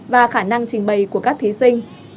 và khả năng trình bày của các thí sinh